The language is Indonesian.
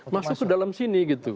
masuk ke dalam sini gitu